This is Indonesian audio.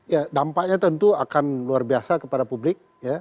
ya dampaknya tentu akan luar biasa kepada publik